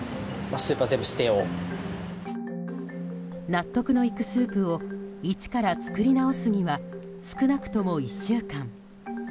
納得のいくスープを一から作り直すには少なくとも１週間。